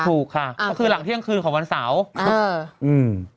ถูกค่ะอ่าก็คือหลังเที่ยงคืนของวันเสาร์อืม